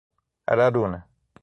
Araruna